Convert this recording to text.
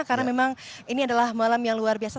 karena memang ini adalah malam yang luar biasa